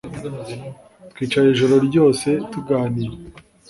Twicaye ijoro ryose tuganira